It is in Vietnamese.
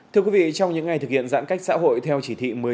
thưa quý vị trong những ngày thực hiện giãn cách xã hội theo chỉ thị một mươi năm